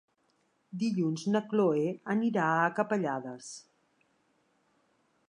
Dilluns na Cloè anirà a Capellades.